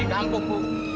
di kampung bu